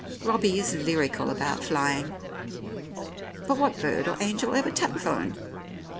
Robbie is lyrical about flying. But what bird or angel ever telephoned?